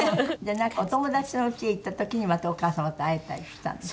なんかお友達のおうちへ行った時にまたお母様と会えたりしたんですって？